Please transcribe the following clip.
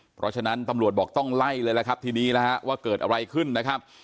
เพราะฉะนั้นตำรวจบอกต้องไล่เลยล่ะครับทีนี้นะฮะว่าเกิดอะไรขึ้นนะครับ